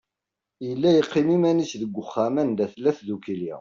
Yella yeqqim iman-is deg uxxam anda tella tdukkli.